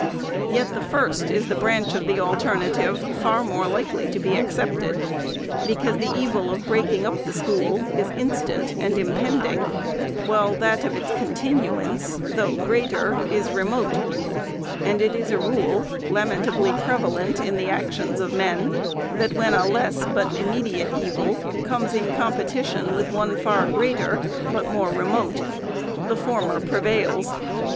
Yet the first is the branch of the alter native far the most likely to be accepted ; because the evil of breaking up the school is instant and impending, while that of its continuance, though greater, is remote ; and it is a rule, lamentably prevalent in the actions of men, that when a less but immediate evil comes in com petition with one far greater, but more remote, the former prevails.